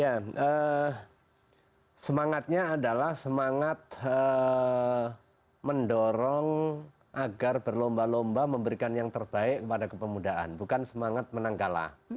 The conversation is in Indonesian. ya semangatnya adalah semangat mendorong agar berlomba lomba memberikan yang terbaik kepada kepemudaan bukan semangat menang kalah